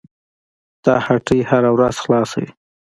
دا هټۍ هره ورځ خلاصه وي.